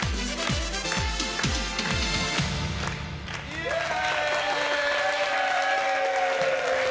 イエーイ！